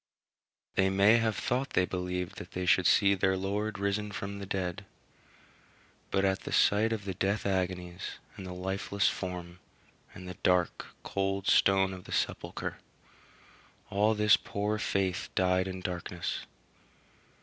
They may have thought they believed that they should see their Lord risen from the dead; but at the sight of the death agonies, and the lifeless form, and the dark, cold stone of the sepulchre, all this poor faith died in darkness.